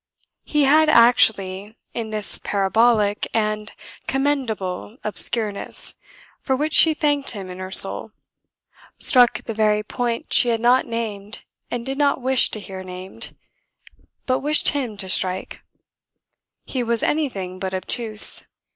He had actually, in this parabolic, and commendable, obscureness, for which she thanked him in her soul, struck the very point she had not named and did not wish to hear named, but wished him to strike; he was anything but obtuse.